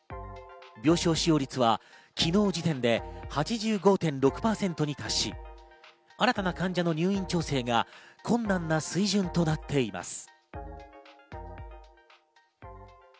病床使用率は昨日時点で８５．６％に達し、新たな患者の入院調整が困難な水準となっています。